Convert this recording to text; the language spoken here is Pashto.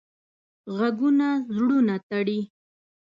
غږونه زړونه تړي